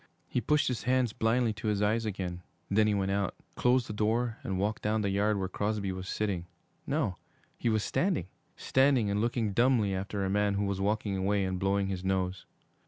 He pushed his hands blindly to his eyes again; then he went out, closed the door, and walked down the yard where Crosby was sitting no, he was standing, standing and looking dumbly after a man who was walking away and blowing his nose.